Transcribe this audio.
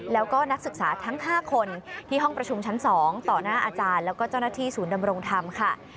แล้วก็นักศึกษาทั้ง๕คนที่ห้องประชุมชั้น๒ต่อหน้าอาจารย์แล้วก็เจ้าหน้าที่ศูนย์ดำรงธรรมค่ะ